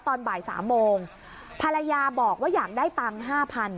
ตอนบ่ายสามโมงภรรยาบอกว่าอยากได้ตังค์ห้าพัน